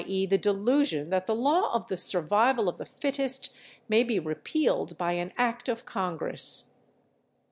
e._, the delusion that the law of the survival of the fittest may be repealed by an act of Congress.